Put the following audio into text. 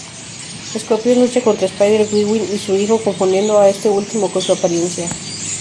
Escorpión lucha contra Spider-Gwen y su hijo, confundiendo a este último con su apariencia.